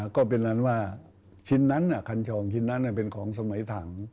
ก็เป็นนั้นว่าชิ้นนั้นคันชองชิ้นนั้นเป็นของสมัยถัง